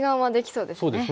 そうですね。